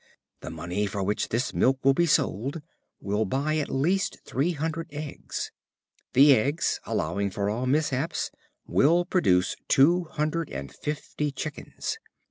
"The money for which this milk will be sold will buy at least three hundred eggs. The eggs, allowing for all mishaps, will produce two hundred and fifty chickens.